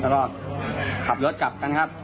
แล้วก็ขับรถกลับกันครับ